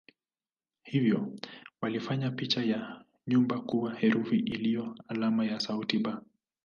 Hivyo walifanya picha ya nyumba kuwa herufi iliyo alama ya sauti "b".